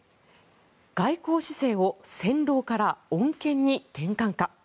外交姿勢を戦狼から穏健に転換か。